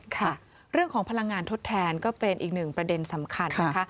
ค่ะเรื่องของพลังงานทดแทนก็เป็นอีกหนึ่งประเด็นสำคัญนะคะ